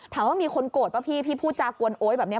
ถามว่ามีคนโกรธป่ะพี่พี่พูดจากวนโอ๊ยแบบนี้